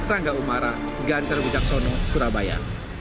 rangga umara gantar wicaksono surabaya